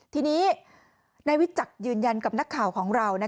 ทีนี้นายวิจักรยืนยันกับนักข่าวของเรา